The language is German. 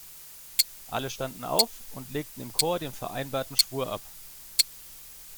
Alle standen auf und legten im Chor den vereinbarten Schwur ab.